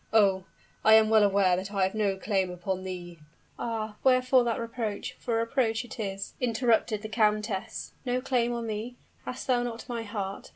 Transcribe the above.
"Oh! I am well aware that I have no claim upon thee " "Ah! wherefore that reproach? for a reproach it is!" interrupted the countess. "No claim on me! Hast thou not my heart?